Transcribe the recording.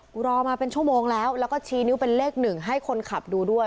รอมาเป็นชั่วโมงแล้วแล้วก็ชี้นิ้วเป็นเลขหนึ่งให้คนขับดูด้วย